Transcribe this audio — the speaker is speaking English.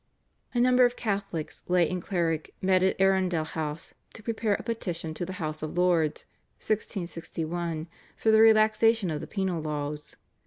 A number of Catholics, lay and cleric, met at Arundel House to prepare a petition to the House of Lords (1661) for the relaxation of the Penal Laws.